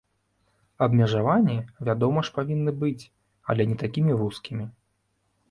Абмежаванні, вядома ж, павінны быць, але не такімі вузкімі.